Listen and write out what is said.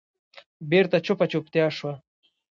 بېرته چوپه چوپتیا شوه.